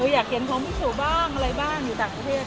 อยากเห็นของพี่สุบ้างอะไรบ้างอยู่ต่างประเทศ